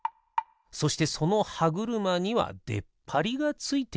そしてそのはぐるまにはでっぱりがついている。